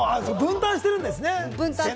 分担しているんですね。